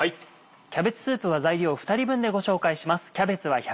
キャベツスープは材料２人分でご紹介します。